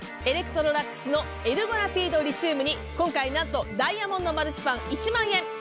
エレクトロラックスのエルゴラピード・リチウムに今回なんとダイヤモンドマルチパン１万円。